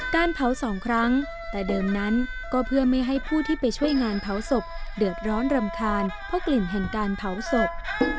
การเผาสองครั้งแต่เดิมนั้นก็เพื่อไม่ให้ผู้ที่ไปช่วยงานเผาศพเดือดร้อนรำคาญเพราะกลิ่นแห่งการเผาศพ